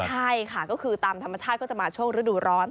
ใช่ค่ะก็คือตามธรรมชาติก็จะมาช่วงฤดูร้อน